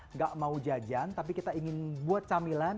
nggak mau jajan tapi kita ingin buat camilan